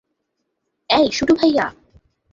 অ্যাই শুটু ভাইয়া!